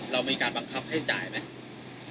เรามีการบังคับให้จ่ายไหม